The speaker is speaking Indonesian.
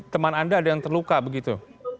teman anda ada yang terluka begitu